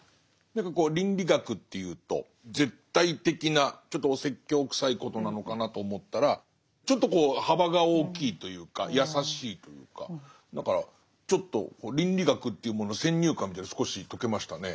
何かこう倫理学っていうと絶対的なちょっとお説教くさいことなのかなと思ったらちょっと幅が大きいというか優しいというかだからちょっと倫理学というものの先入観みたいなの少し解けましたね。